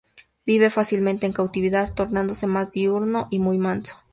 Vive fácilmente en cautividad, tornándose más diurno y muy manso.